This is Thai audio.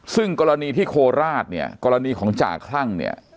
ซึ่งกรณีที่โคราชเนี่ยกรณีของจ่าคลั่งเนี่ย